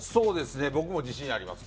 僕も自信あります。